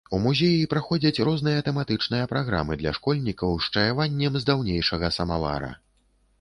У музеі праходзяць розныя тэматычныя праграмы для школьнікаў з чаяваннем з даўнейшага самавара.